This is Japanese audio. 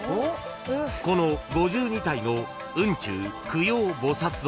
［この５２体の雲中供養菩薩像。